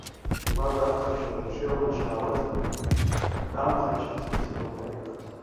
Лад, аԥхашьара дшеилнашьаауазгьы, дамхаччарц аԥсык ауп иааигхаз.